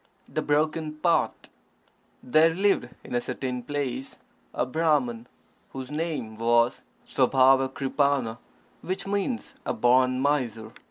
The Broken Pot There lived in a certain place a Brahman, whose name was Svabhavak_ri_pa_n_a, which means "a born miser."